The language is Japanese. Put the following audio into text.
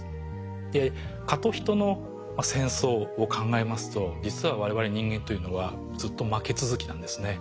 で蚊と人の戦争を考えますと実はわれわれ人間というのはずっと負け続きなんですね。